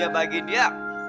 ya bagi dia